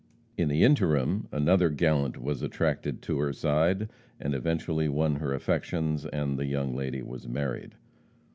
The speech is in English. In the interim, another gallant was attracted to her side, and eventually won her affections, and the young lady was married.